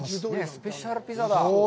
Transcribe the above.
スペシャルピザだ。